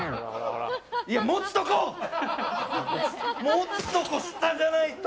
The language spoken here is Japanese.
持つとこ下じゃないと。